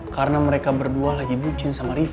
karena mereka berdua lagi bucin sama riva